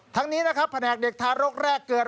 ทั้งนี้นะครับแผนกเด็กทารกแรกเกิด